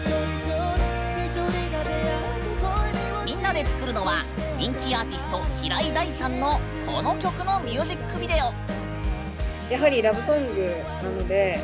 みんなでつくるのは人気アーティスト平井大さんのこの曲のミュージックビデオ。